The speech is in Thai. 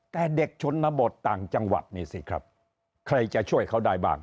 แต่เด็กชนบทต่างจังหวัดนี่สิครับใครจะช่วยเขาได้บ้าง